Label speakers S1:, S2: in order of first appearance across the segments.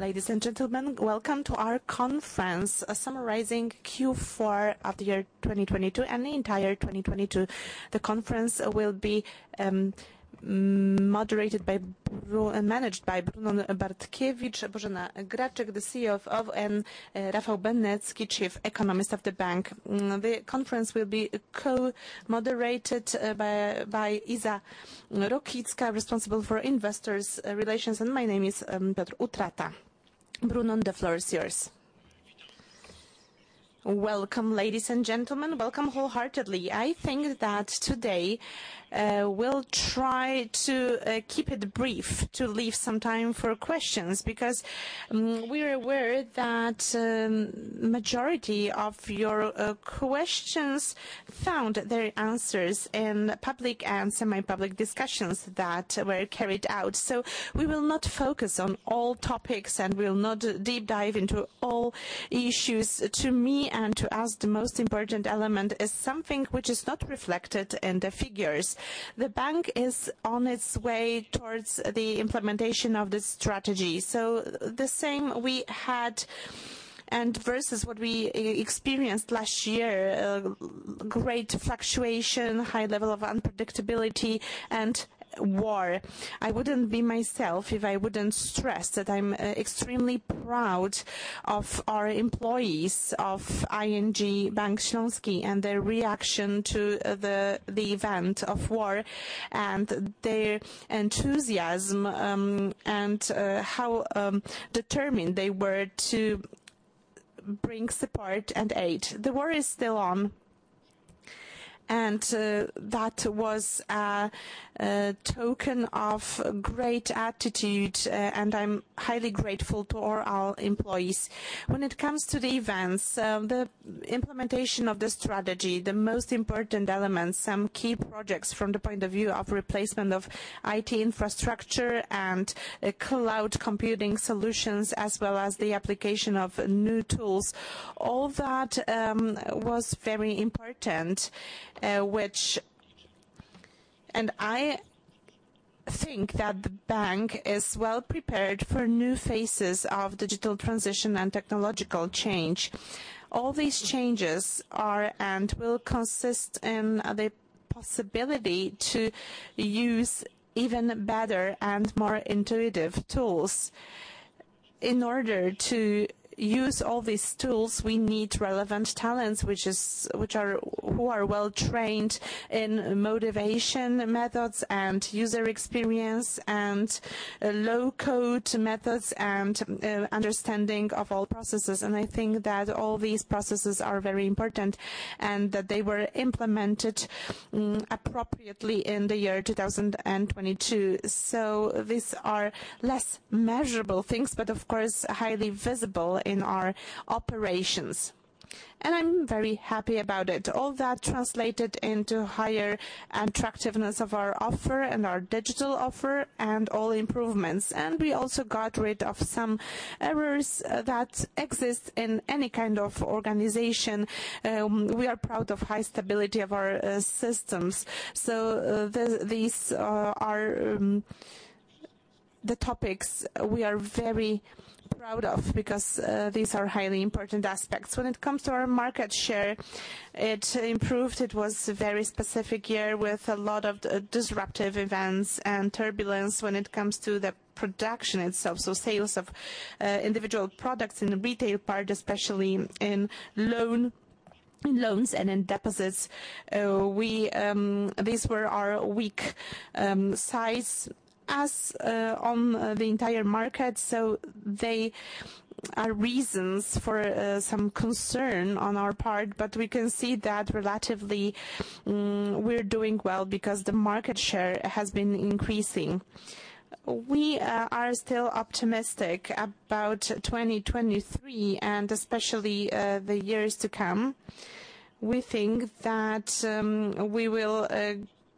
S1: Ladies and gentlemen, welcome to our conference, summarizing Q4 of the year 2022, and the entire 2022. The conference will be moderated and managed by Brunon Bartkiewicz, Bożena Graczyk, the CEO of, and Rafał Benecki, Chief Economist of the bank. The conference will be co-moderated by Iza Rokicka, responsible for investors relations, and my name is Piotr Utrata. Bruno, the floor is yours.
S2: Welcome, ladies and gentlemen. Welcome wholeheartedly. I think that today, we'll try to keep it brief to leave some time for questions, because we're aware that majority of your questions found their answers in public and semi-public discussions that were carried out. We will not focus on all topics, and we will not deep dive into all issues. To me and to us, the most important element is something which is not reflected in the figures. The bank is on its way towards the implementation of this strategy. The same we had and versus what we experienced last year, great fluctuation, high level of unpredictability and war. I wouldn't be myself if I wouldn't stress that I'm extremely proud of our employees of ING Bank Śląski and their reaction to the event of war and their enthusiasm and how determined they were to bring support and aid. The war is still on, that was a token of great attitude. I'm highly grateful to all our employees. When it comes to the events, the implementation of the strategy, the most important elements, some key projects from the point of view of replacement of IT infrastructure and cloud computing solutions, as well as the application of new tools, all that was very important. I think that the bank is well prepared for new phases of digital transition and technological change. All these changes are and will consist in the possibility to use even better and more intuitive tools. In order to use all these tools, we need relevant talents, who are well-trained in motivation methods and user experience and low-code methods and understanding of all processes. I think that all these processes are very important and that they were implemented appropriately in 2022. These are less measurable things, but of course highly visible in our operations, and I'm very happy about it. All that translated into higher attractiveness of our offer and our digital offer and all improvements. We also got rid of some errors that exist in any kind of organization. We are proud of high stability of our systems. These are the topics we are very proud of because these are highly important aspects. When it comes to our market share, it improved. It was a very specific year with a lot of disruptive events and turbulence when it comes to the production itself. Sales of individual products in the retail part, especially in loans and in deposits, we these were our weak sides as on the entire market. They are reasons for some concern on our part. We can see that relatively, we're doing well because the market share has been increasing. We are still optimistic about 2023 and especially the years to come. We think that we will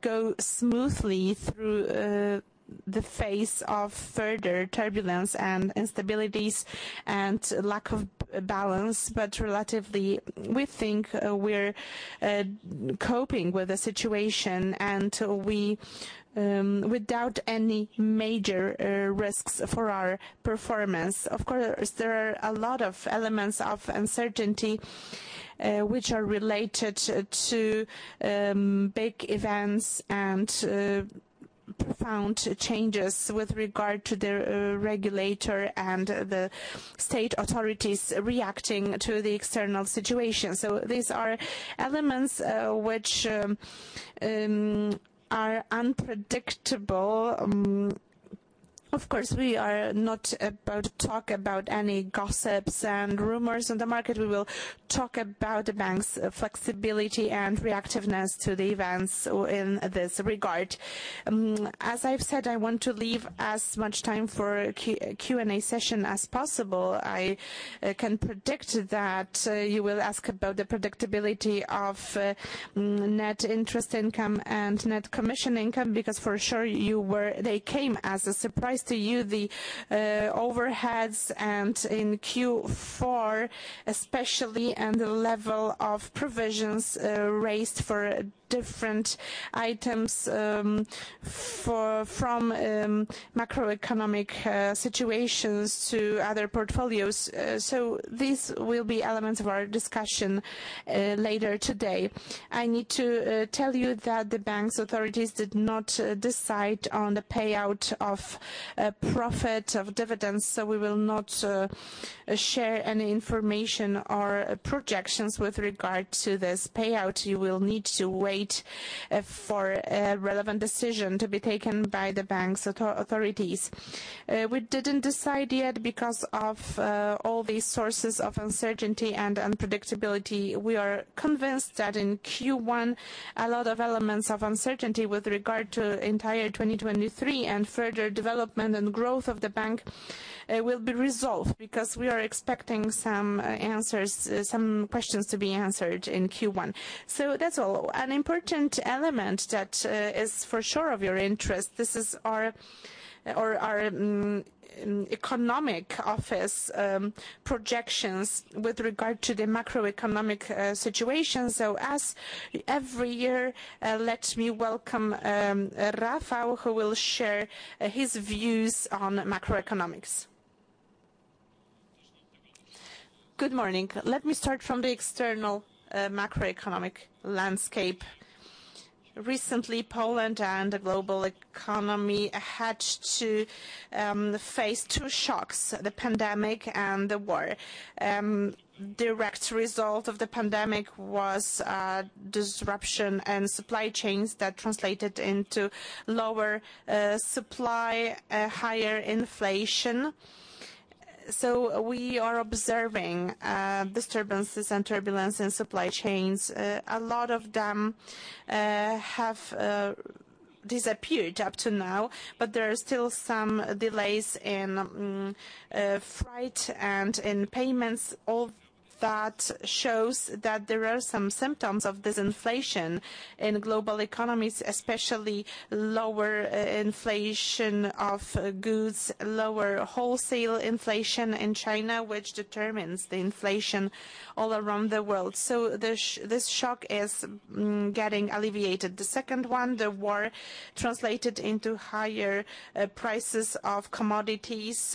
S2: go smoothly through the phase of further turbulence and instabilities and lack of balance. Relatively, we think we're coping with the situation, and we without any major risks for our performance. Of course, there are a lot of elements of uncertainty, which are related to big events and profound changes with regard to the regulator and the state authorities reacting to the external situation. These are elements which are unpredictable. Of course, we are not about talk about any gossips and rumors in the market. We will talk about the bank's flexibility and reactiveness to the events or in this regard. As I've said, I want to leave as much time for Q&A session as possible. I can predict that you will ask about the predictability of Net Interest Income and Net Commission Income, because for sure they came as a surprise to you, the overheads and in Q4 especially, and the level of provisions raised for different items, from macroeconomic situations to other portfolios. These will be elements of our discussion later today. I need to tell you that the bank's authorities did not decide on the payout of profit of dividends, we will not share any information or projections with regard to this payout. You will need to wait for a relevant decision to be taken by the bank's authorities. We didn't decide yet because of all these sources of uncertainty and unpredictability. We are convinced that in Q1, a lot of elements of uncertainty with regard to entire 2023 and further development and growth of the bank will be resolved because we are expecting some answers, some questions to be answered in Q1. That's all. An important element that is for sure of your interest, this is our, or our, economic office projections with regard to the macroeconomic situation. As every year, let me welcome Rafał, who will share his views on macroeconomics.
S3: Good morning. Let me start from the external macroeconomic landscape. Recently, Poland and the global economy had to face two shocks, the pandemic and the war. Direct result of the pandemic was disruption and supply chains that translated into lower supply, higher inflation. We are observing disturbances and turbulence in supply chains. A lot of them have disappeared up to now, but there are still some delays in freight and in payments. All that shows that there are some symptoms of disinflation in global economies, especially lower inflation of goods, lower wholesale inflation in China, which determines the inflation all around the world. This shock is getting alleviated. The second one, the war, translated into higher prices of commodities,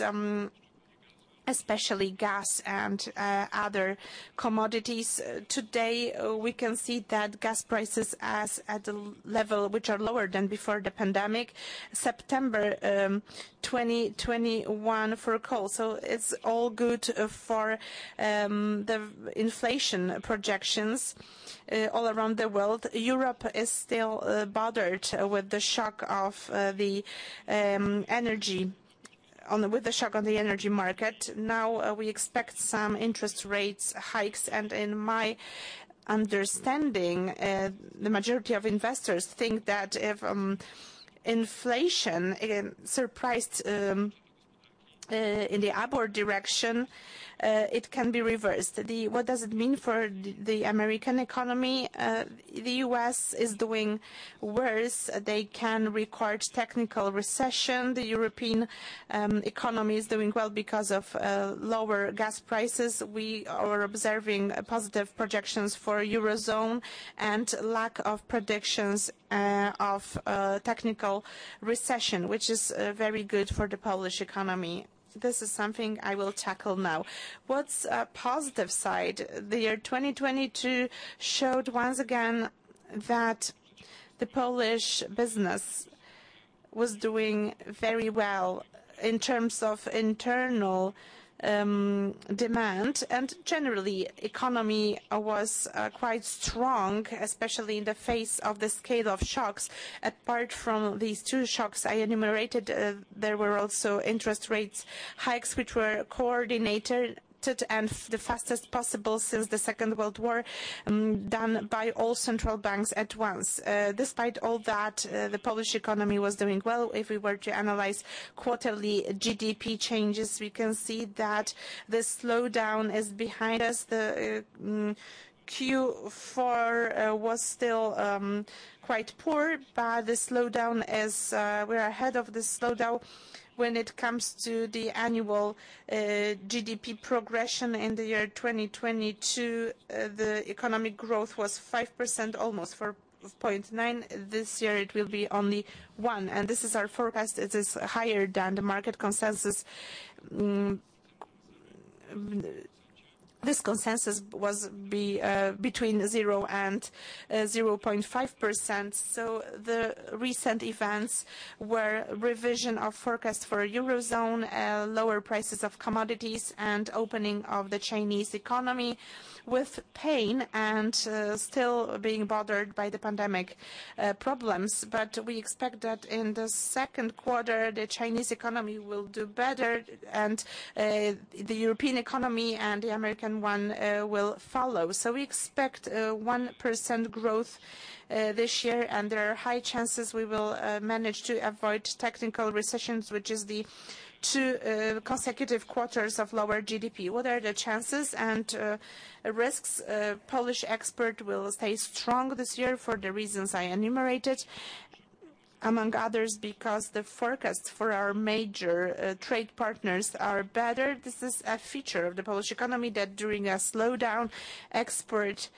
S3: especially gas and other commodities. Today, we can see that gas prices as at a level which are lower than before the pandemic, September 2021 for coal. It's all good for the inflation projections all around the world. Europe is still bothered with the shock on the energy market. We expect some interest rates hikes, and in my understanding, the majority of investors think that if inflation again surprised in the upward direction, it can be reversed. What does it mean for the American economy? The U.S. is doing worse. They can record technical recession. The European economy is doing well because of lower gas prices. We are observing positive projections for Eurozone and lack of predictions of technical recession, which is very good for the Polish economy. This is something I will tackle now. What's a positive side? The year 2022 showed once again that the Polish business was doing very well in terms of internal demand. Generally, economy was quite strong, especially in the face of the scale of shocks. Apart from these 2 shocks I enumerated, there were also interest rates hikes which were coordinated and the fastest possible since the Second World War, done by all central banks at once. Despite all that, the Polish economy was doing well. If we were to analyze quarterly GDP changes, we can see that the slowdown is behind us. The Q4 was still quite poor, but the slowdown is... We're ahead of the slowdown when it comes to the annual GDP progression in the year 2022. The economic growth was 5% almost, 4.9%. This year it will be only 1%. This is our forecast. It is higher than the market consensus. This consensus was between 0 and 0.5%. The recent events were revision of forecast for eurozone, lower prices of commodities and opening of the Chinese economy with pain and still being bothered by the pandemic problems. We expect that in the Q2, the Chinese economy will do better and the European economy and the American one will follow. We expect 1% growth this year, and there are high chances we will manage to avoid technical recession, which is the 2 consecutive quarters of lower GDP. What are the chances and risks? Polish exports will stay strong this year for the reasons I enumerated, among others, because the forecasts for our major trade partners are better. This is a feature of the Polish economy that during a slowdown, export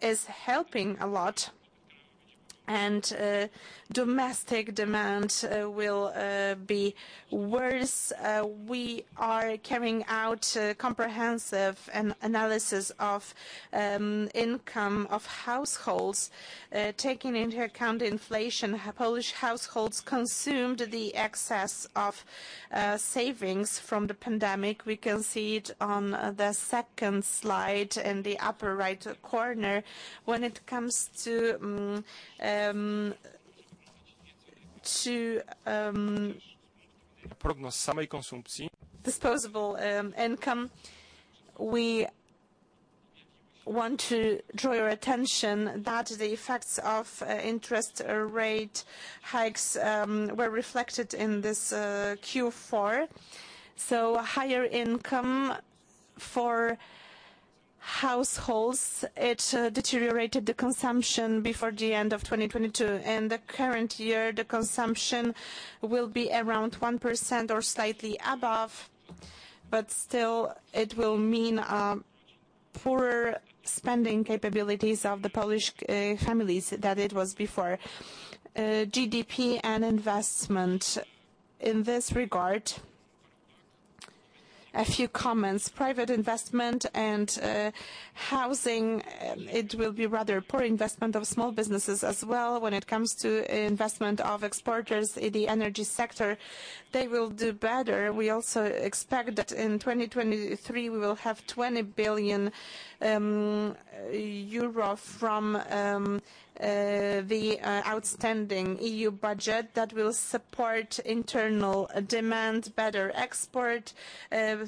S3: is helping a lot and domestic demand will be worse. We are carrying out comprehensive analysis of income of households. Taking into account inflation, Polish households consumed the excess of savings from the pandemic. We can see it on the second slide in the upper right corner. When it comes to Disposable income, we want to draw your attention that the effects of interest rate hikes were reflected in this Q4. Higher income for households, it deteriorated the consumption before the end of 2022. In the current year, the consumption will be around 1% or slightly above, but still it will mean poorer spending capabilities of the Polish families than it was before. GDP and investment. In this regard, a few comments. Private investment and housing, it will be rather poor investment of small businesses as well when it comes to investment of exporters in the energy sector. They will do better. We also expect that in 2023 we will have EUR 20 billion from the outstanding EU budget that will support internal demand, better export,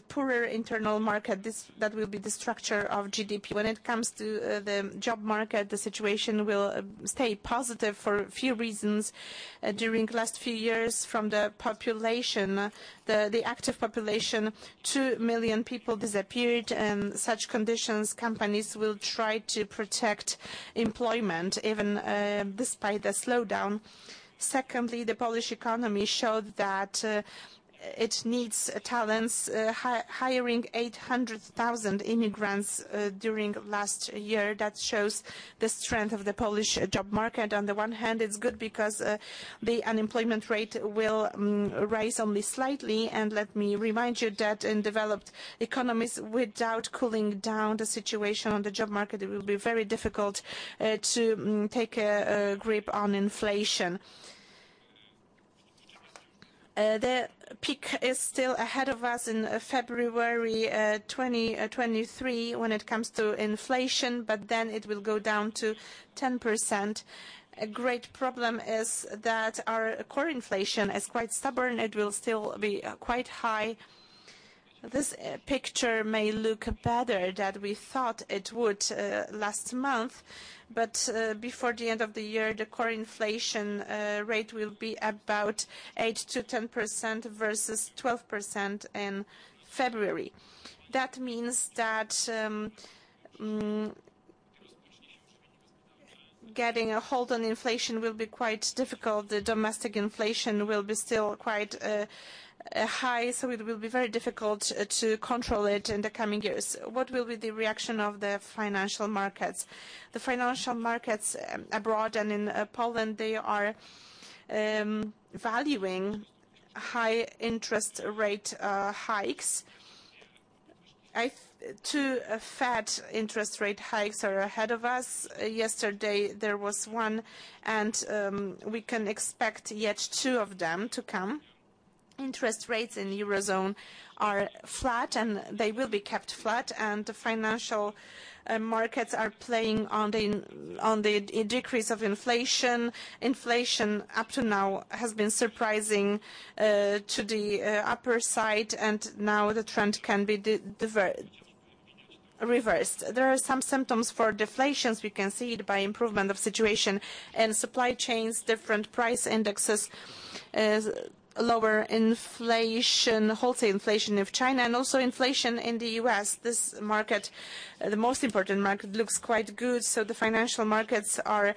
S3: poorer internal market. That will be the structure of GDP. When it comes to the job market, the situation will stay positive for a few reasons. During last few years from the population, the active population, 2 million people disappeared. In such conditions, companies will try to protect employment even despite the slowdown. Secondly, the Polish economy showed that it needs talents, hiring 800,000 immigrants during last year. That shows the strength of the Polish job market. On the one hand, it's good because the unemployment rate will rise only slightly. Let me remind you that in developed economies, without cooling down the situation on the job market, it will be very difficult to take a grip on inflation. The peak is still ahead of us in February 2023 when it comes to inflation, then it will go down to 10%. A great problem is that our core inflation is quite stubborn. It will still be quite high. This picture may look better than we thought it would last month, before the end of the year, the core inflation rate will be about 8%-10% versus 12% in February. That means that getting a hold on inflation will be quite difficult. The domestic inflation will be still quite high, it will be very difficult to control it in the coming years. What will be the reaction of the financial markets? The financial markets abroad and in Poland, they are valuing high interest rate hikes. Two Fed interest rate hikes are ahead of us. Yesterday there was one, and we can expect yet two of them to come. Interest rates in Eurozone are flat, and they will be kept flat, and the financial markets are playing on the decrease of inflation. Inflation up to now has been surprising to the upper side, and now the trend can be reversed. There are some symptoms for deflations. We can see it by improvement of situation and supply chains, different price indexes, lower inflation, wholesale inflation of China, and also inflation in the U.S. This market, the most important market, looks quite good. The financial markets are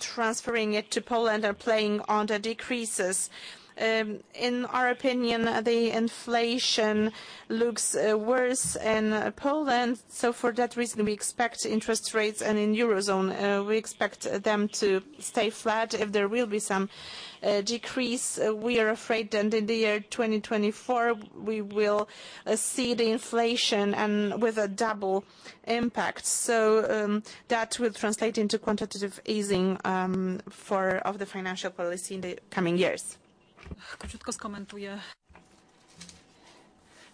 S3: transferring it to Poland, are playing on the decreases. In our opinion, the inflation looks worse in Poland. For that reason we expect interest rates, and in Eurozone, we expect them to stay flat. If there will be some decrease, we are afraid that in the year 2024 we will see the inflation and with a double impact. That will translate into quantitative easing of the financial policy in the coming years.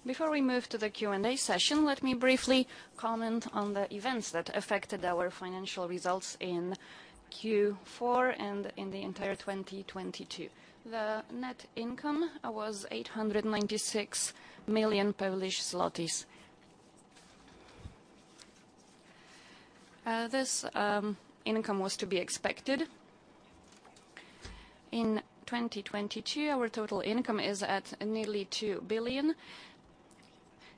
S4: Before we move to the Q&A session, let me briefly comment on the events that affected our financial results in Q4 and in the entire 2022. The net income was 896 million Polish zlotys. This income was to be expected. In 2022, our total income is at nearly 2 billion.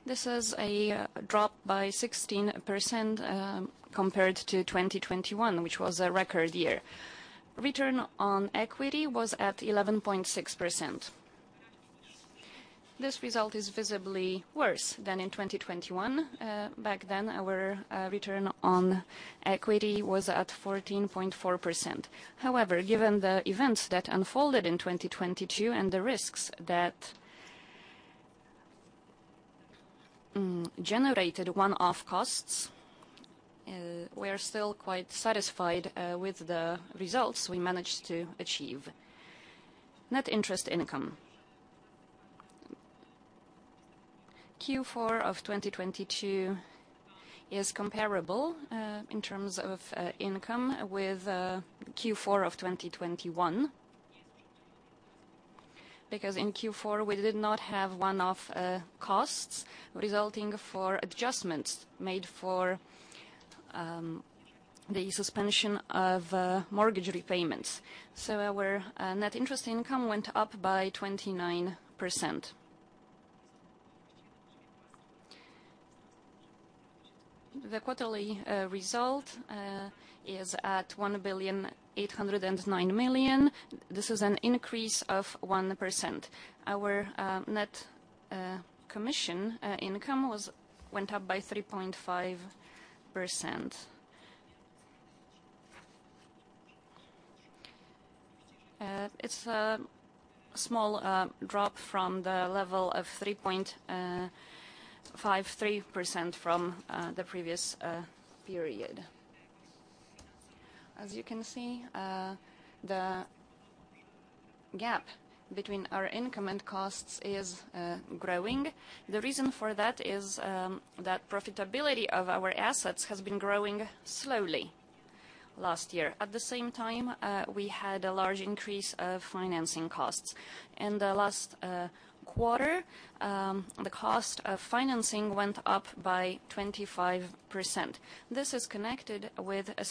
S4: This is a drop by 16% compared to 2021, which was a record year. Return on Equity was at 11.6%. This result is visibly worse than in 2021. Back then, our Return on Equity was at 14.4%. Given the events that unfolded in 2022 and the risks that generated one-off costs, we're still quite satisfied with the results we managed to achieve. Net Interest Income. Q4 of 2022 is comparable in terms of income with Q4 of 2021. In Q4, we did not have one-off costs resulting for adjustments made for the suspension of mortgage repayments. Our Net Interest Income went up by 29%. The quarterly result is at 1,809 million. This is an increase of 1%. Our Net Commission Income went up by 3.5%. It's a small drop from the level of 3.53% from the previous period. As you can see, the gap between our income and costs is growing. The reason for that is that profitability of our assets has been growing slowly last year. At the same time, we had a large increase of financing costs. In the last quarter, the cost of financing went up by 25%. This is connected with a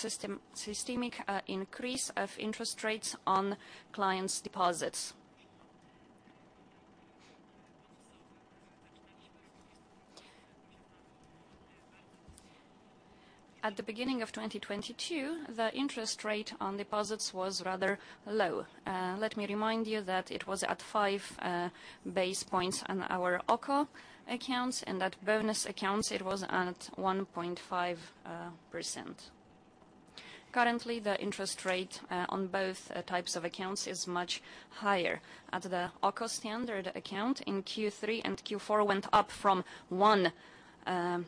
S4: systemic increase of interest rates on clients' deposits. At the beginning of 2022, the interest rate on deposits was rather low. Let me remind you that it was at 5 base points on our OKO accounts, and that bonus accounts, it was at 1.5%. Currently, the interest rate on both types of accounts is much higher. At the OKO standard account in Q3 and Q4 went up from 1%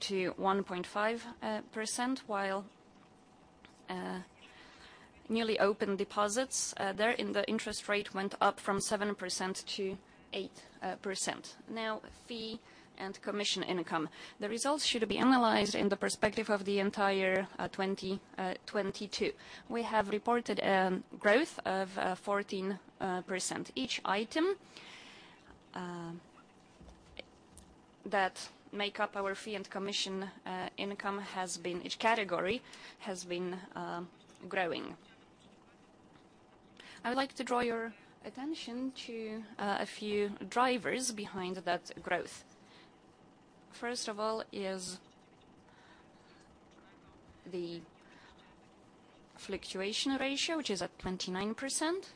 S4: to 1.5%, while newly opened deposits there in the interest rate went up from 7% to 8%. Fee and commission income. The results should be analyzed in the perspective of the entire 2022. We have reported growth of 14%. Each item that make up our fee and commission income has been growing. I would like to draw your attention to a few drivers behind that growth. First of all is the fluctuation ratio, which is at 29%.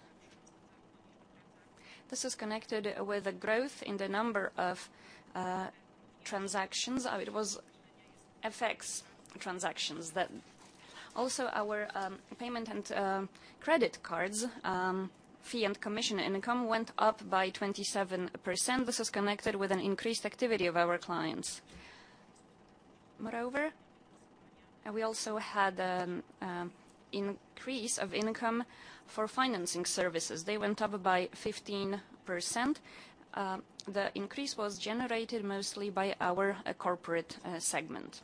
S4: This is connected with the growth in the number of transactions. It was FX transactions that also our payment and credit cards fee and commission income went up by 27%. This is connected with an increased activity of our clients. Moreover, we also had increase of income for financing services. They went up by 15%. The increase was generated mostly by our corporate segment.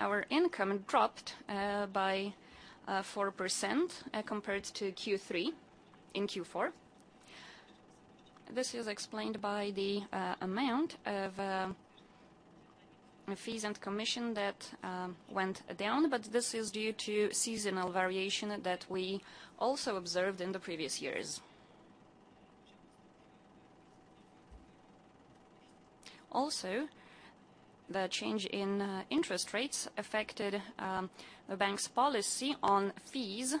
S4: Our income dropped by 4% compared to Q3 in Q4. This is explained by the amount of fees and commission that went down, but this is due to seasonal variation that we also observed in the previous years. Also, the change in interest rates affected the bank's policy on fees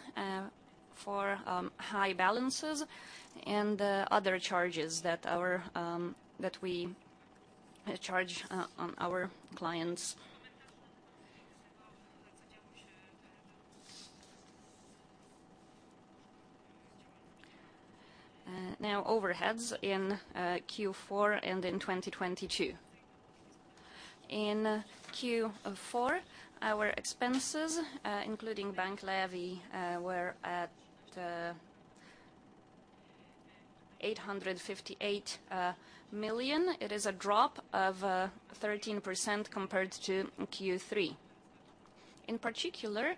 S4: for high balances and the other charges that we charge on our clients. Now overheads in Q4 and in 2022. In Q4, our expenses, including Bank Levy, were at 858 million. It is a drop of 13% compared to Q3. In particular,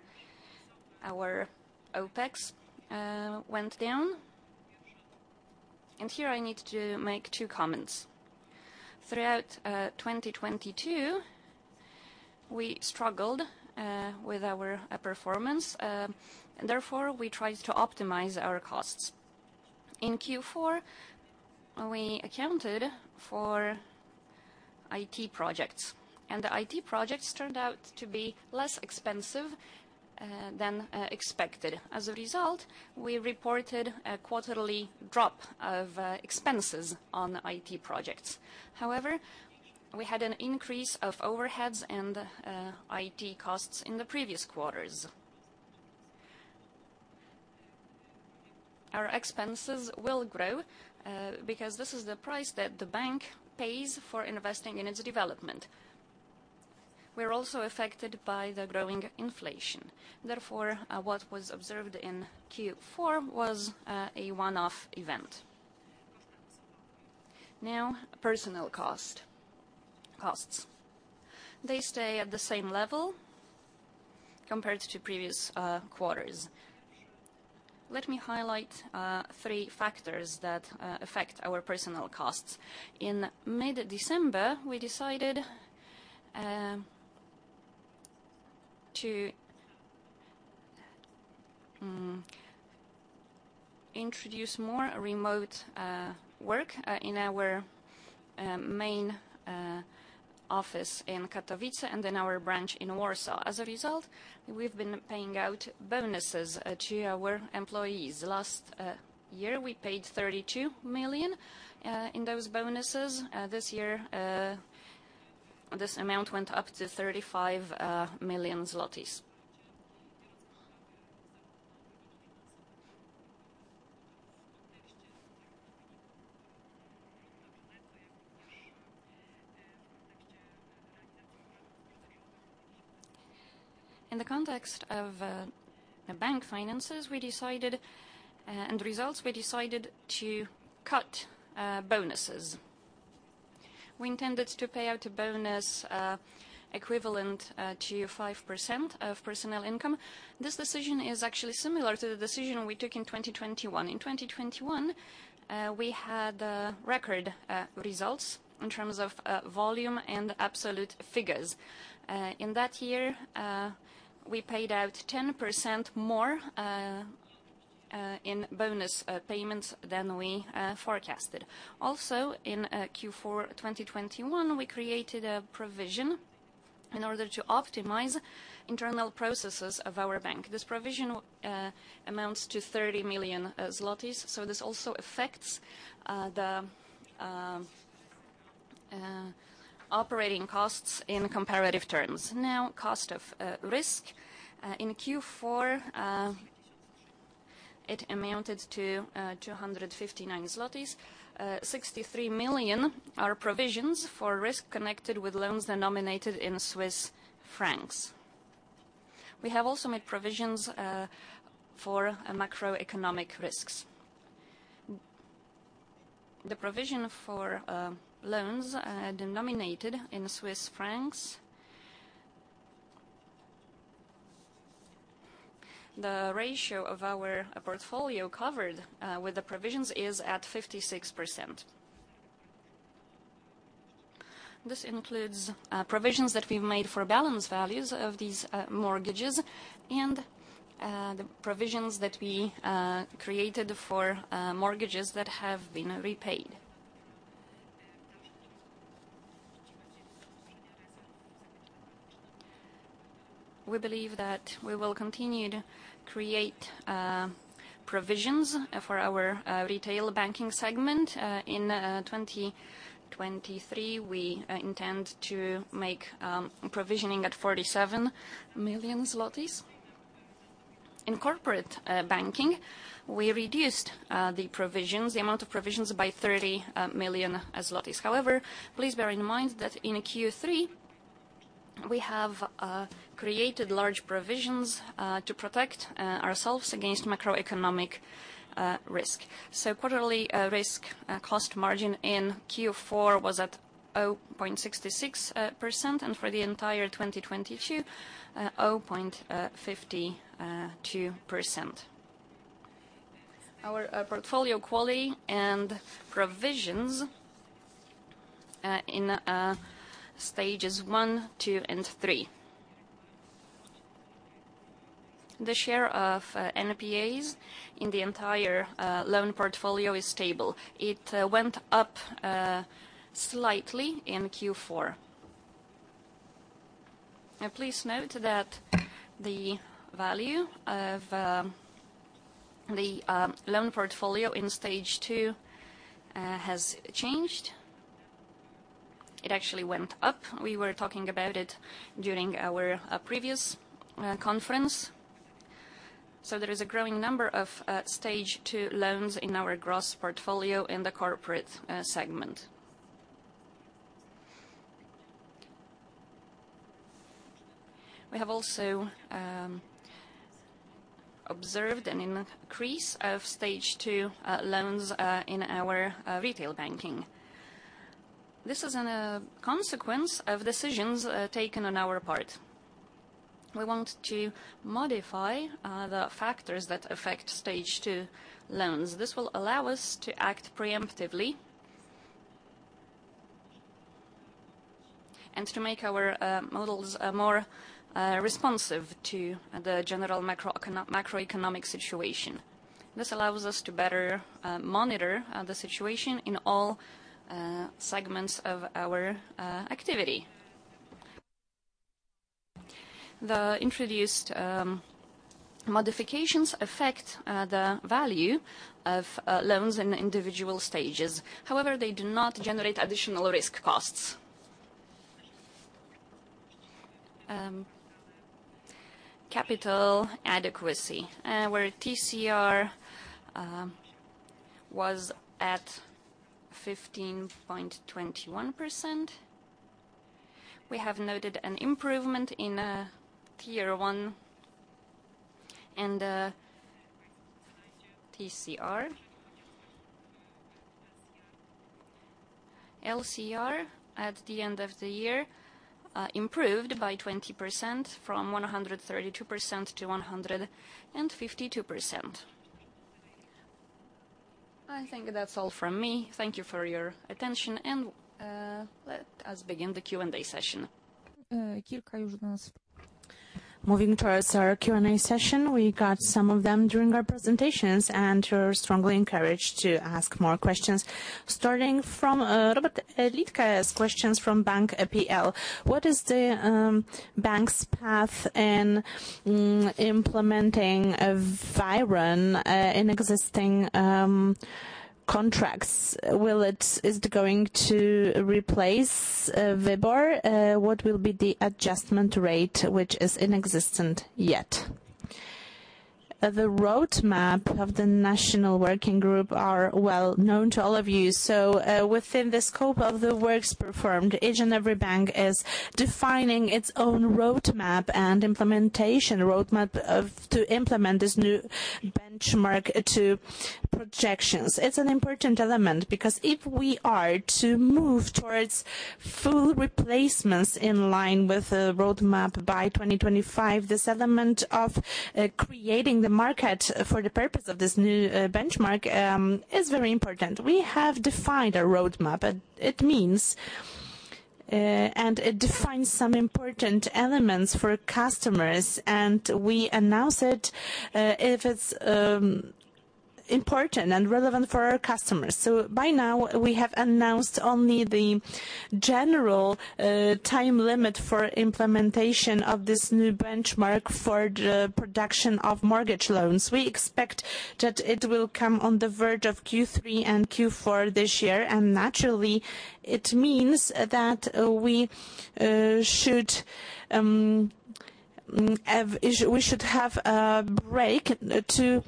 S4: our OPEX went down. Here I need to make two comments. Throughout 2022, we struggled with our performance. Therefore, we tried to optimize our costs. In Q four, we accounted for IT projects. The IT projects turned out to be less expensive than expected. As a result, we reported a quarterly drop of expenses on IT projects. However, we had an increase of overheads and IT costs in the previous quarters. Our expenses will grow because this is the price that the bank pays for investing in its development. We're also affected by the growing inflation. Therefore, what was observed in Q four was a one-off event. Now personnel costs. They stay at the same level compared to previous quarters. Let me highlight 3 factors that affect our personnel costs. In mid-December, we decided to introduce more remote work in our main office in Katowice and in our branch in Warsaw. As a result, we've been paying out bonuses to our employees. Last year, we paid 32 million in those bonuses. This year, this amount went up to 35 million zlotys. In the context of the bank finances, we decided and the results, we decided to cut bonuses. We intended to pay out a bonus equivalent to 5% of personnel income. This decision is actually similar to the decision we took in 2021. In 2021, we had record results in terms of volume and absolute figures. In that year, we paid out 10% more in bonus payments than we forecasted. In Q4 2021, we created a provision in order to optimize internal processes of our bank. This provision amounts to 30 million zlotys. This also affects the operating costs in comparative terms. Cost of Risk. In Q4, it amounted to 259 zlotys. 63 million are provisions for risk connected with loans denominated in Swiss francs. We have also made provisions for macroeconomic risks. The provision for loans denominated in Swiss francs, the ratio of our portfolio covered with the provisions is at 56%. This includes provisions that we've made for balance values of these mortgages and the provisions that we created for mortgages that have been repaid. We believe that we will continue to create provisions for our retail banking segment. In 2023, we intend to make provisioning at 47 million zlotys. In corporate banking, we reduced the amount of provisions by 30 million zlotys. However, please bear in mind that in Q3, we have created large provisions to protect ourselves against macroeconomic risk. Quarterly risk cost margin in Q4 was at 0.66%, and for the entire 2022, 0.52%. Our portfolio quality and provisions in stages 1, 2, and 3. The share of NPAs in the entire loan portfolio is stable. It went up slightly in Q4. Please note that the value of the loan portfolio in Stage 2 has changed. It actually went up. We were talking about it during our previous conference. There is a growing number of Stage 2 loans in our gross portfolio in the corporate segment. We have also observed an increase of Stage 2 loans in our retail banking. This is an consequence of decisions taken on our part. We want to modify the factors that affect Stage 2 loans. This will allow us to act preemptively and to make our models more responsive to the general macroeconomic situation. This allows us to better monitor the situation in all segments of our activity. The introduced modifications affect the value of loans in individual stages. They do not generate additional risk costs. capital adequacy, where TCR, was at 15.21%. We have noted an improvement in Tier 1 and TCR. LCR at the end of the year, improved by 20% from 132% to 152%. I think that's all from me. Thank you for your attention and, let us begin the Q&A session.
S2: Moving towards our Q&A session, we got some of them during our presentations, and you're strongly encouraged to ask more questions. Starting from Robert Leczycki questions from BANK.pl. What is the bank's path in implementing WIRON in existing contracts? Is it going to replace WIBOR? What will be the adjustment rate which is inexistent yet? The roadmap of the national working group are well known to all of you. Within the scope of the works performed, each and every bank is defining its own roadmap and implementation roadmap to implement this new benchmark to projections. It's an important element because if we are to move towards full replacements in line with the roadmap by 2025, this element of creating the market for the purpose of this new benchmark is very important. We have defined a roadmap, and it means and it defines some important elements for customers, and we announce it if it's important and relevant for our customers. By now, we have announced only the general time limit for implementation of this new benchmark for the production of mortgage loans. We expect that it will come on the verge of Q3 and Q4 this year. Naturally it means that we should have a break to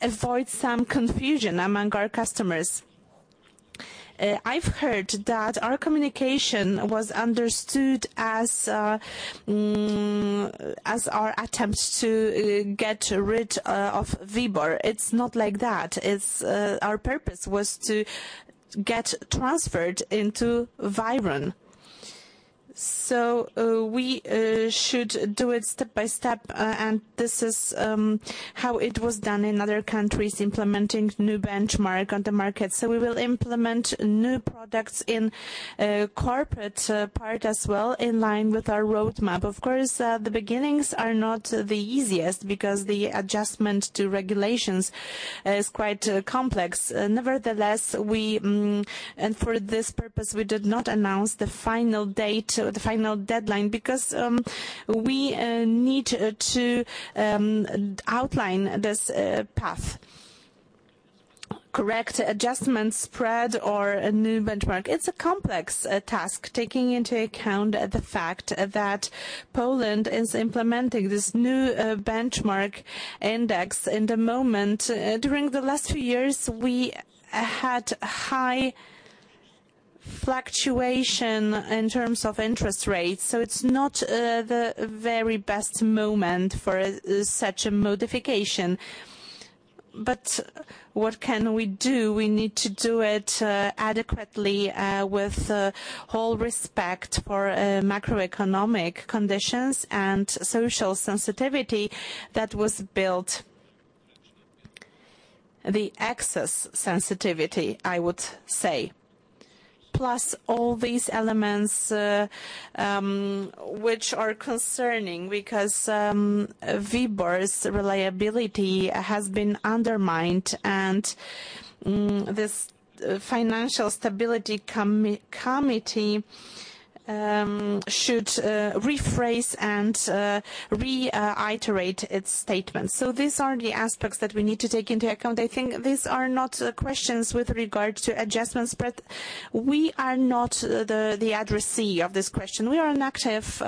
S2: avoid some confusion among our customers. I've heard that our communication was understood as our attempts to get rid of WIBOR. It's not like that. Our purpose was to get transferred into WIRON. We should do it step by step, and this is how it was done in other countries implementing new benchmark on the market. We will implement new products in corporate part as well in line with our roadmap. Of course, the beginnings are not the easiest because the adjustment to regulations is quite complex. Nevertheless, we, and for this purpose, we did not announce the final date, the final deadline, because we need to outline this path. Credit Adjustment Spread or a new benchmark. It's a complex task, taking into account the fact that Poland is implementing this new benchmark index in the moment. During the last few years, we had high fluctuation in terms of interest rates, so it's not the very best moment for such a modification. What can we do? We need to do it adequately with whole respect for macroeconomic conditions and social sensitivity that was built. The excess sensitivity, I would say. Plus all these elements which are concerning because WIBOR's reliability has been undermined. This financial stability committee should rephrase and reiterate its statement. These are the aspects that we need to take into account. I think these are not questions with regard to adjustments, but we are not the addressee of this question. We are an active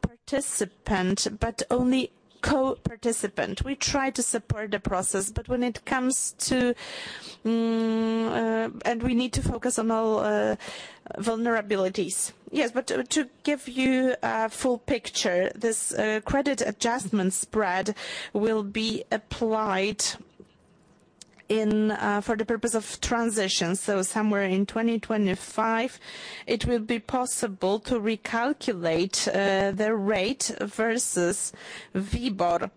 S2: participant, but only co-participant. We try to support the process, but when it comes to... We need to focus on all vulnerabilities. Yes, but to give you a full picture, this Credit Adjustment Spread will be applied in for the purpose of transition. Somewhere in 2025 it will be possible to recalculate the rate versus WIBOR.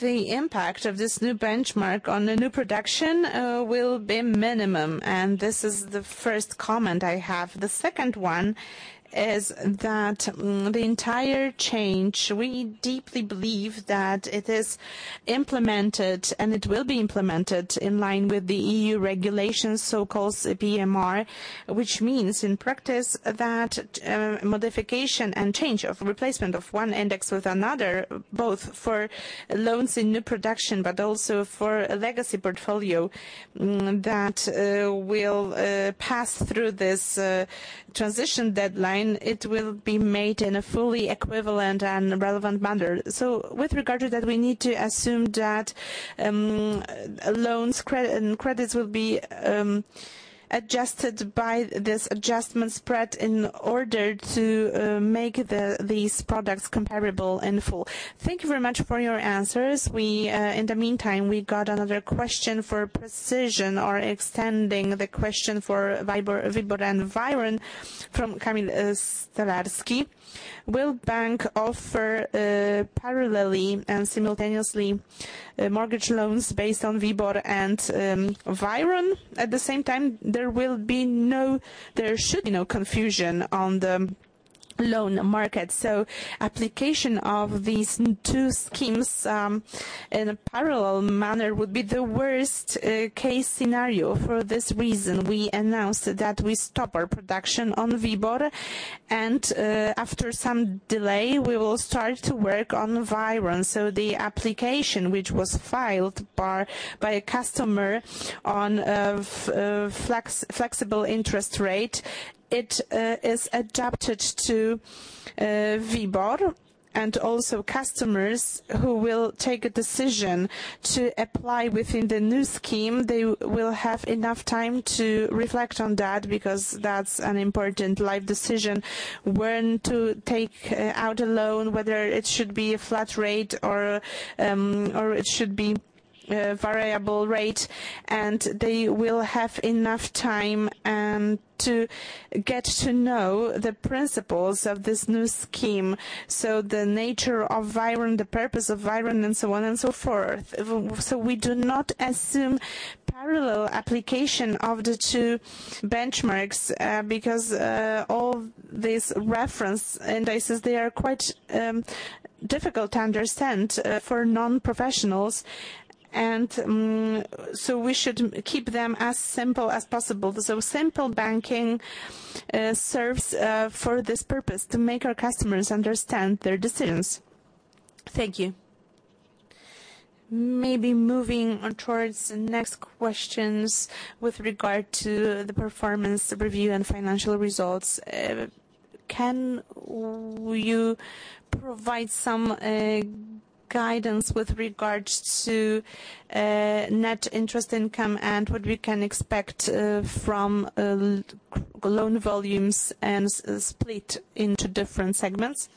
S2: The impact of this new benchmark on the new production will be minimum, and this is the first comment I have. The second one is that the entire change, we deeply believe that it is implemented and it will be implemented in line with the EU regulations, so-called BMR. Which means, in practice, that modification and change of replacement of one index with another, both for loans in new production but also for a legacy portfolio, that will pass through this transition deadline, it will be made in a fully equivalent and relevant manner. With regard to that, we need to assume that loans and credits will be adjusted by this adjustment spread in order to make these products comparable in full. Thank you very much for your answers. We, in the meantime, we got another question for precision or extending the question for WIBOR and WIRON from Kamil Stolarski: Will bank offer parallelly and simultaneously mortgage loans based on WIBOR and WIRON? At the same time, there should be no confusion on the loan market. Application of these two schemes in a parallel manner would be the worst case scenario. For this reason, we announced that we stop our production on WIBOR and after some delay, we will start to work on WIRON. The application which was filed by a customer on a flexible interest rate is adapted to WIBOR. Also customers who will take a decision to apply within the new scheme, they will have enough time to reflect on that because that's an important life decision, when to take out a loan, whether it should be a flat rate or it should be a variable rate. They will have enough time to get to know the principles of this new scheme, so the nature of WIRON, the purpose of WIRON, and so on and so forth. So we do not assume parallel application of the two benchmarks, because all this reference indices, they are quite difficult to understand for non-professionals. So we should keep them as simple as possible. Simple banking serves for this purpose, to make our customers understand their decisions. Thank you. Maybe moving on towards the next questions with regard to the performance review and financial results. Can you provide some guidance with regards to Net Interest Income and what we can expect from loan volumes and split into different segments?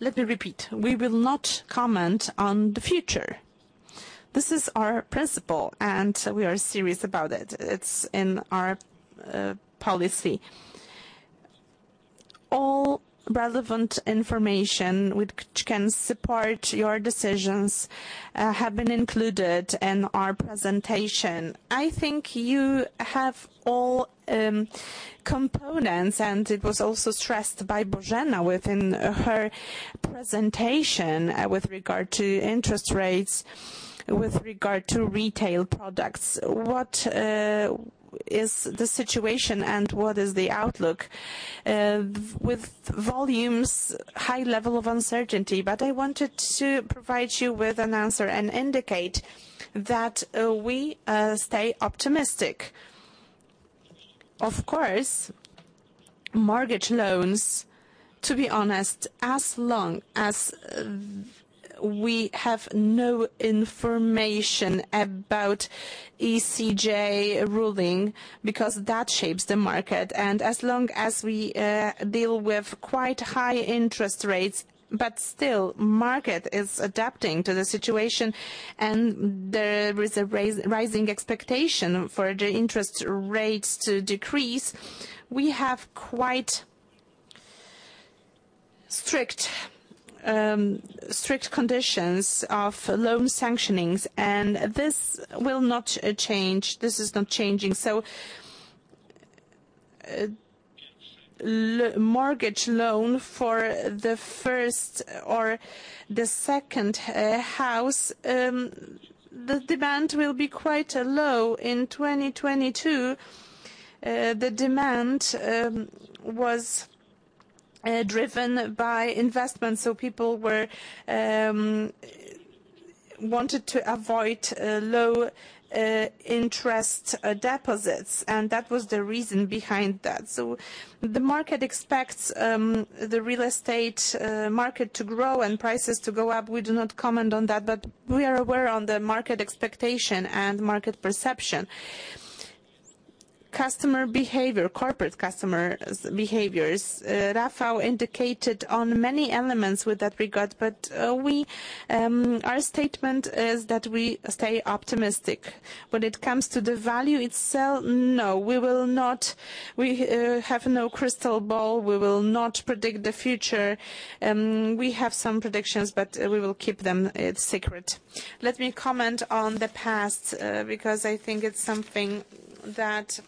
S2: Let me repeat. We will not comment on the future. This is our principle, and we are serious about it. It's in our policy. All relevant information which can support your decisions have been included in our presentation. I think you have all components, and it was also stressed by Bożena within her presentation, with regard to interest rates, with regard to retail products. What is the situation and what is the outlook with volumes, high level of uncertainty? I wanted to provide you with an answer and indicate that we stay optimistic. Of course, mortgage loans, to be honest, as long as we have no information about ECJ ruling, because that shapes the market. As long as we deal with quite high interest rates, but still market is adapting to the situation and there is a rising expectation for the interest rates to decrease. We have quite strict conditions of loan sanctionings, and this will not change. This is not changing. Mortgage loan for the first or the second house, the demand will be quite low. In 2022, the demand was driven by investments, so people wanted to avoid low interest deposits, and that was the reason behind that. The market expects the real estate market to grow and prices to go up. We do not comment on that, but we are aware on the market expectation and market perception. Customer behavior, corporate customers' behaviors, Rafał indicated on many elements with that regard. We, our statement is that we stay optimistic. When it comes to the value itself, no, we will not. We have no crystal ball. We will not predict the future. We have some predictions, but we will keep them secret. Let me comment on the past, because I think it's something that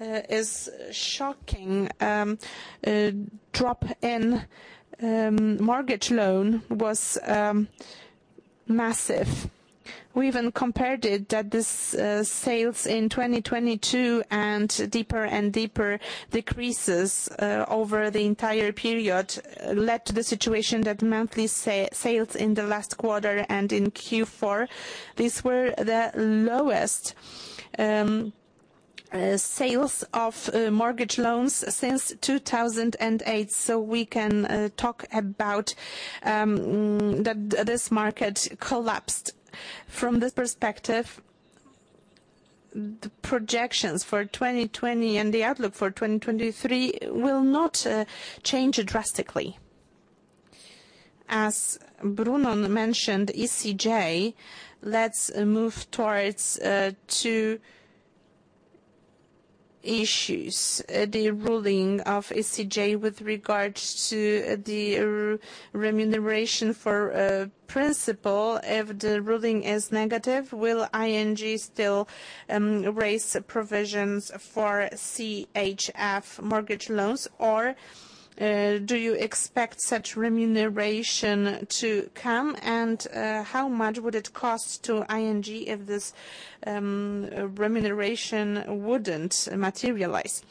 S2: is shocking. A drop in mortgage loan was massive. We even compared it that this sales in 2022 and deeper and deeper decreases over the entire period led to the situation that monthly sales ithe last quarter and in Q4, these were the lowest sales of mortgage loans since 2008. We can talk about that this market collapsed. From this perspective, the projections for 2020 and the outlook for 2023 will not change drastically. As Brunon mentioned ECJ, let's move towards two issues. The ruling of ECJ with regards to the remuneration for a principal. If the ruling is negative, will ING still raise provisions for CHF mortgage loans? Do you expect such remuneration to come? How much would it cost to ING if this remuneration wouldn't materialize?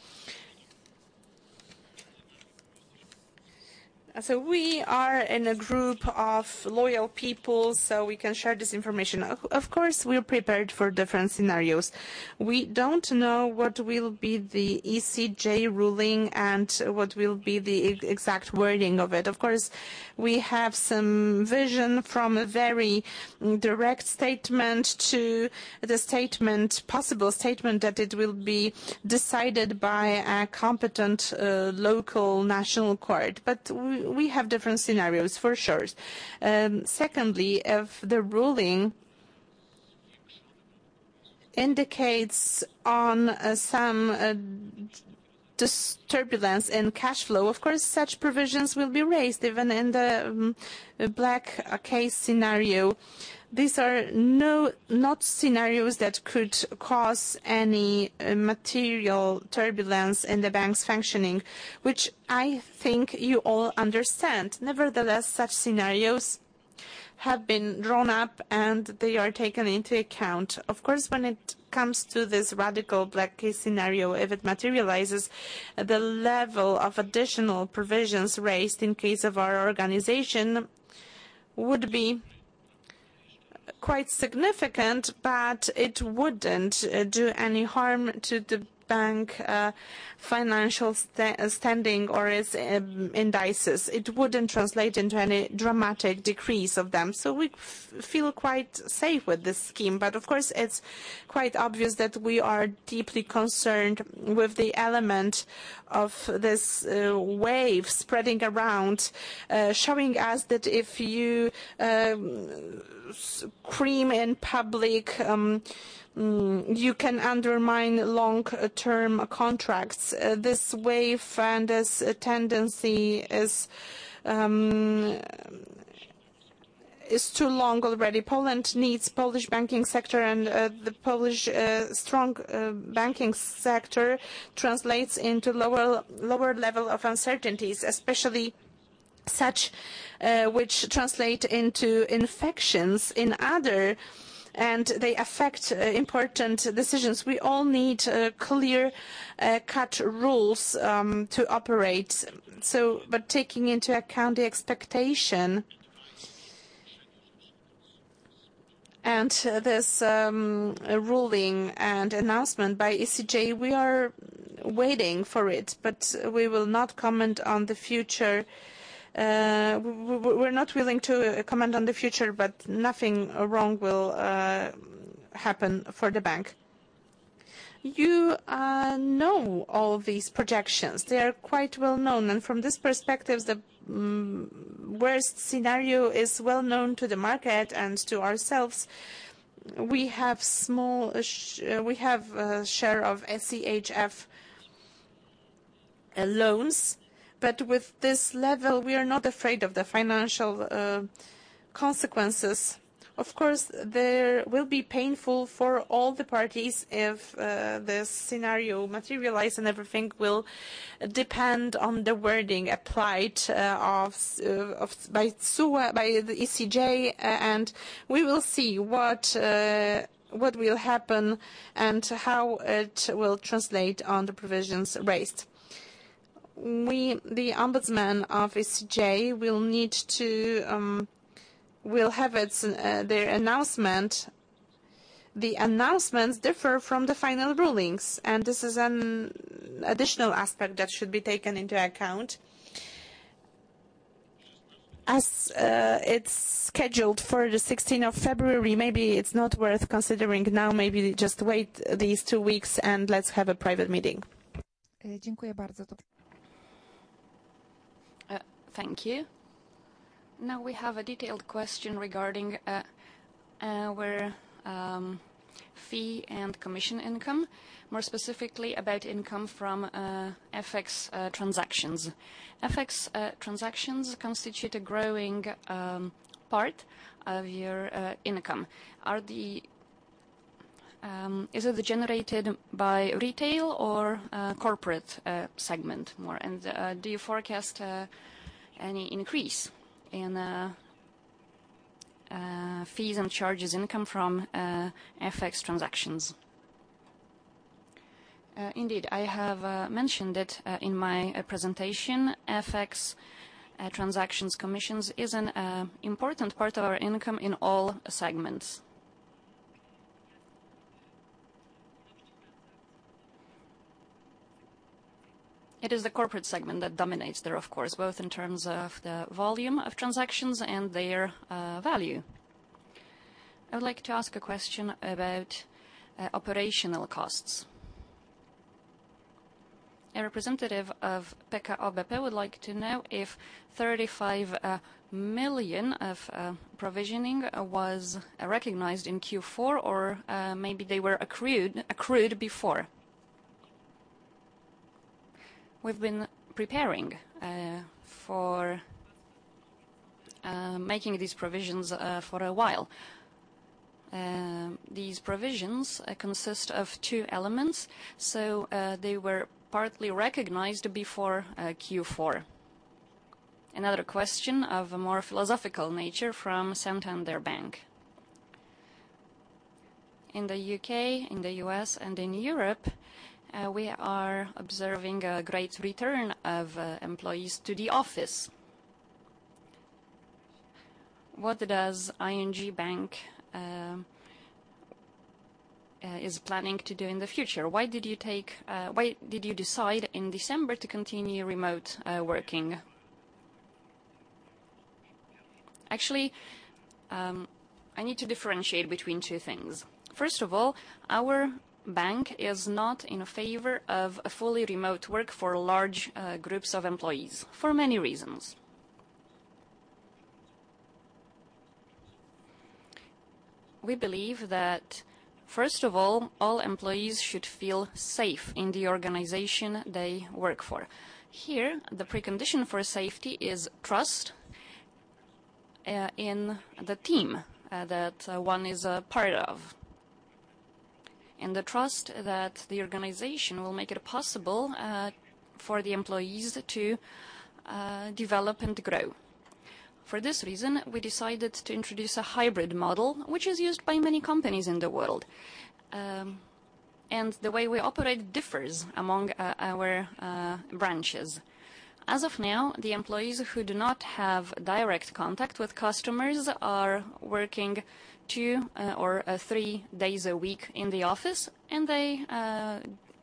S2: We are in a group of loyal people, so we can share this information. Of course, we're prepared for different scenarios. We don't know what will be the ECJ ruling and what will be the exact wording of it. Of course, we have some vision from a very direct statement to the statement, possible statement, that it will be decided by a competent local national court. We have different scenarios, for sure. Secondly, if the ruling indicates on some disturbance in cashflow, of course, such provisions will be raised even in the black case scenario. These are not scenarios that could cause any material turbulence in the bank's functioning, which I think you all understand. Nevertheless, such scenarios have been drawn up. They are taken into account. Of course, when it comes to this radical black case scenario, if it materializes, the level of additional provisions raised in case of our organization would be quite significant, but it wouldn't do any harm to the bank financial standing or its indices. It wouldn't translate into any dramatic decrease of them, so we feel quite safe with this scheme. Of course, it's quite obvious that we are deeply concerned with the element of this wave spreading around, showing us that if you scream in public, you can undermine long-term contracts. This wave and this tendency is too long already. Poland needs Polish banking sector and, the Polish strong banking sector translates into lower level of uncertainties, especially such which translate into infections in other, and they affect important decisions. We all need clear cut rules to operate. But taking into account the expectation and this ruling and announcement by ECJ, we are waiting for it, but we will not comment on the future. We're not willing to comment on the future, but nothing wrong will happen for the bank. You know all these projections. They are quite well known. From this perspective, the worst scenario is well known to the market and to ourselves. We have a share of CHF.
S4: A loans, but with this level, we are not afraid of the financial consequences. Of course, they will be painful for all the parties if this scenario materialize and everything will depend on the wording applied by CJEU, by the ECJ, and we will see what will happen and how it will translate on the provisions raised. We, the Ombudsman of ECJ will need to will have its their announcement. The announcements differ from the final rulings, and this is an additional aspect that should be taken into account. As it's scheduled for the 16th of February, maybe it's not worth considering now. Maybe just wait these two weeks, and let's have a private meeting. Thank you. Now we have a detailed question regarding our fee and commission income, more specifically about income from FX transactions. FX transactions constitute a growing part of your income. Is it generated by retail or corporate segment more? Do you forecast any increase in fees and charges income from FX transactions? Indeed, I have mentioned it in my presentation. FX transactions commissions is an important part of our income in all segments. It is the corporate segment that dominates there, of course, both in terms of the volume of transactions and their value. I would like to ask a question about operational costs. A representative of PKO BP would like to know if 35 million of provisioning was recognized in Q4 or maybe they were accrued before. We've been preparing for making these provisions for a while. These provisions consist of two elements, they were partly recognized before Q4. Another question of a more philosophical nature from Santander Bank. In the U.K., in the U.S., and in Europe, we are observing a great return of employees to the office. What does ING Bank is planning to do in the future? Why did you decide in December to continue remote working? Actually, I need to differentiate between two things. First of all, our bank is not in favor of fully remote work for large groups of employees for many reasons. We believe that, first of all employees should feel safe in the organization they work for. Here, the precondition for safety is trust, in the team, that one is a part of, and the trust that the organization will make it possible for the employees to develop and grow. For this reason, we decided to introduce a hybrid model, which is used by many companies in the world. The way we operate differs among our branches. As of now, the employees who do not have direct contact with customers are working two or three days a week in the office, and they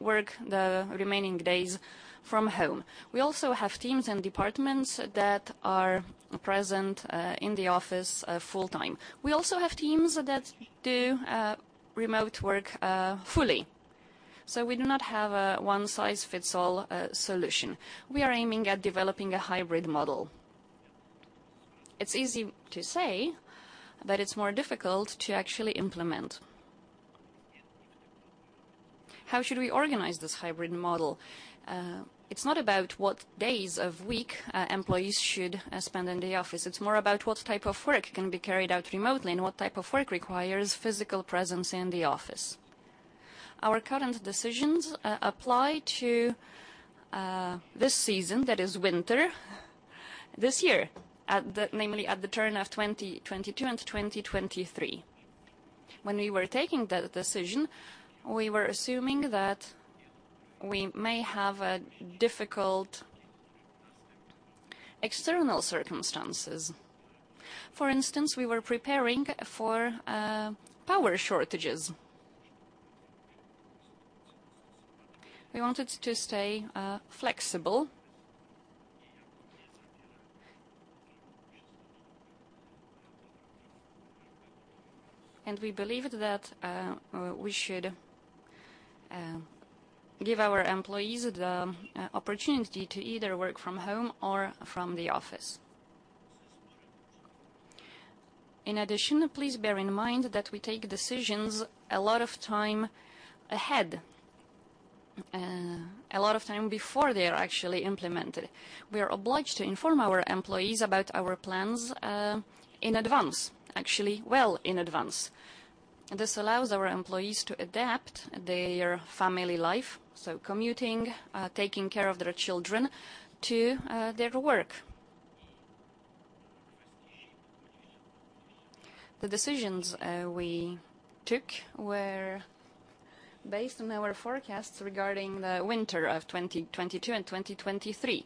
S4: work the remaining days from home. We also have teams and departments that are present in the office full time. We also have teams that do remote work fully. We do not have a one size fits all solution. We are aiming at developing a hybrid model. It's easy to say, but it's more difficult to actually implement. How should we organize this hybrid model? It's not about what days of week employees should spend in the office. It's more about what type of work can be carried out remotely and what type of work requires physical presence in the office. Our current decisions apply to this season, that is winter, this year, namely at the turn of 2022 and 2023. When we were taking that decision, we were assuming that we may have difficult external circumstances. For instance, we were preparing for power shortages. We wanted to stay flexible. We believe that we should give our employees the opportunity to either work from home or from the office. In addition, please bear in mind that we take decisions a lot of time ahead, a lot of time before they are actually implemented. We are obliged to inform our employees about our plans in advance, actually well in advance. This allows our employees to adapt their family life, so commuting, taking care of their children, to their work. The decisions we took were based on our forecasts regarding the winter of 2022 and 2023.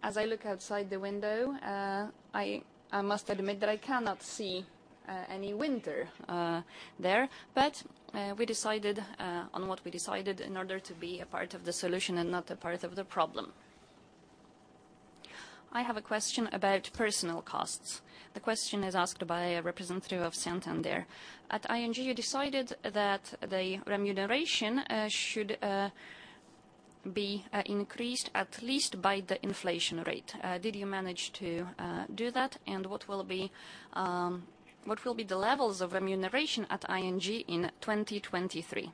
S4: As I look outside the window, I must admit that I cannot see any winter there. We decided on what we decided in order to be a part of the solution and not a part of the problem. I have a question about personnel costs. The question is asked by a representative of Santander. At ING, you decided that the remuneration should be increased at least by the inflation rate. Did you manage to do that? What will be the levels of remuneration at ING in 2023?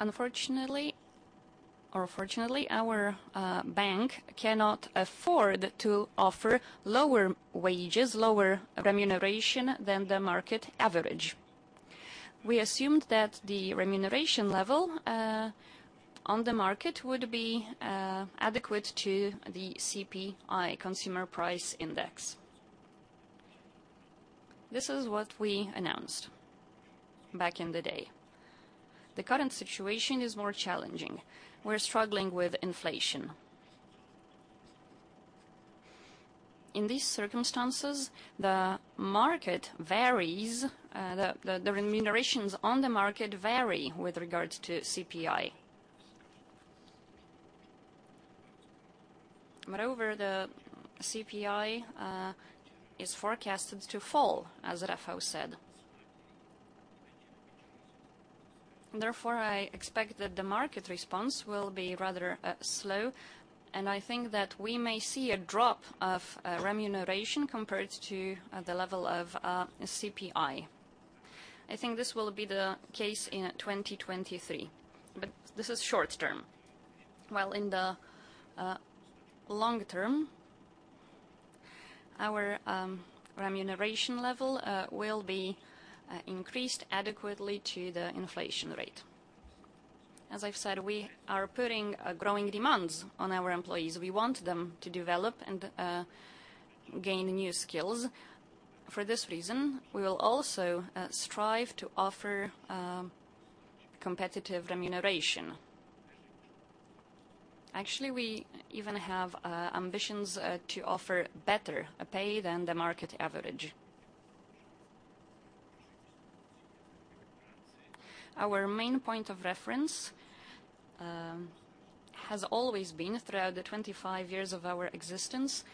S4: Unfortunately or fortunately, our bank cannot afford to offer lower wages, lower remuneration than the market average. We assumed that the remuneration level on the market would be adequate to the CPI, Consumer Price Index. This is what we announced back in the day. The current situation is more challenging. We're struggling with inflation. In these circumstances, the market varies, the remunerations on the market vary with regards to CPI. The CPI is forecasted to fall, as Rafa said. I expect that the market response will be rather slow, and I think that we may see a drop of remuneration compared to the level of CPI. I think this will be the case in 2023, but this is short term. While in the long term, our remuneration level will be increased adequately to the inflation rate. As I've said, we are putting growing demands on our employees. We want them to develop and gain new skills. For this reason, we will also strive to offer competitive remuneration. We even have ambitions to offer better pay than the market average. Our main point of reference has always been, throughout the 25 years of our existence,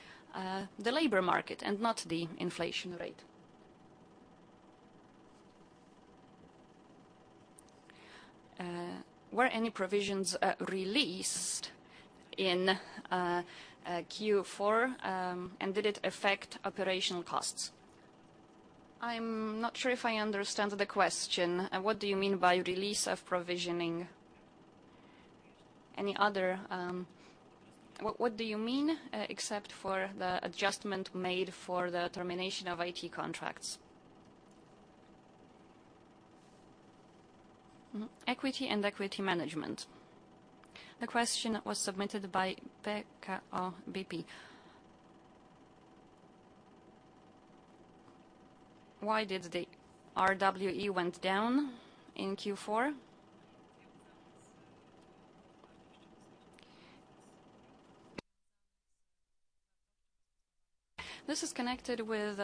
S4: the labor market and not the inflation rate. Were any provisions released in Q4, and did it affect operational costs? I'm not sure if I understand the question. What do you mean by release of provisioning? What do you mean, except for the adjustment made for the termination of IT contracts? Equity and equity management. The question was submitted by PKO BP. Why did the RWA went down in Q4? This is connected with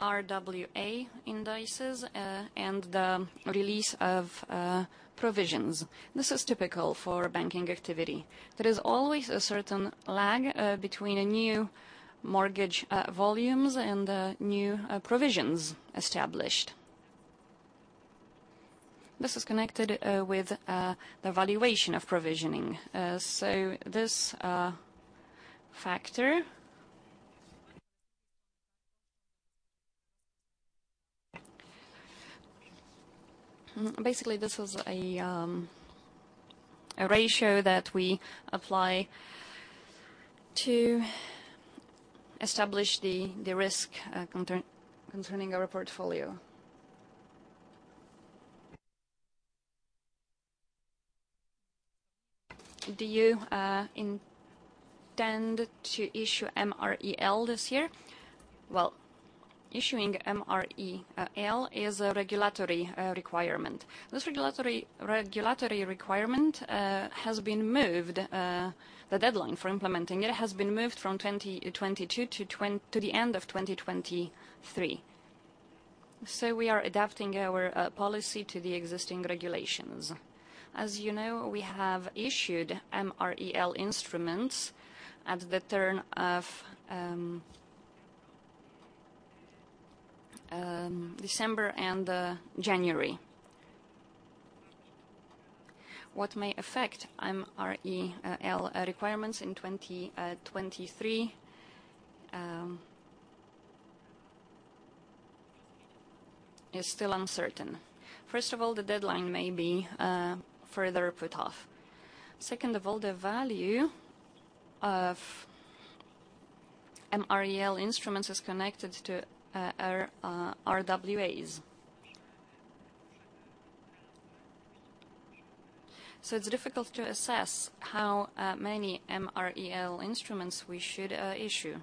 S4: RWA indices and the release of provisions. This is typical for banking activity. There is always a certain lag between new mortgage volumes and new provisions established. This is connected with the valuation of provisioning. Basically this is a ratio that we apply to establish the risk concerning our portfolio. Do you intend to issue MREL this year? Issuing MREL is a regulatory requirement. This regulatory requirement has been moved, the deadline for implementing it has been moved from 2022 to the end of 2023. We are adapting our policy to the existing regulations. As you know, we have issued MREL instruments at the turn of December and January. What may affect MREL requirements in 2023 is still uncertain. First of all, the deadline may be further put off. Second of all, the value of MREL instruments is connected to our RWAs. It's difficult to assess how many MREL instruments we should issue.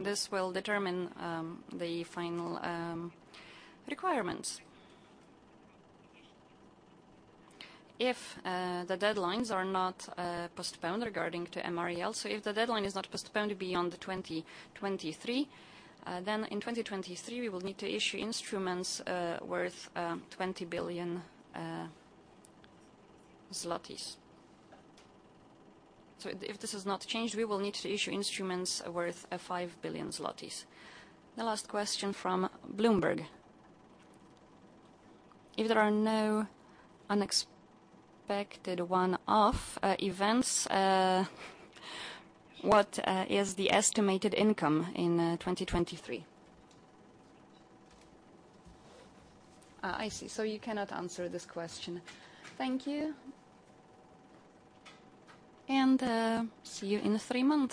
S4: This will determine the final requirements. If the deadlines are not postponed regarding to MREL, so if the deadline is not postponed beyond 2023, then in 2023, we will need to issue instruments worth PLN 20 billion. If this is not changed, we will need to issue instruments worth 5 billion zlotys. The last question from Bloomberg. If there are no unexpected one-off events, what is the estimated income in 2023? I see. You cannot answer this question. Thank you. See you in 3 months.